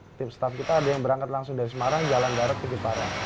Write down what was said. setiap staff kita ada yang berangkat langsung dari semarang jalan darat ke jepara